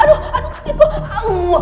aduh kaget gue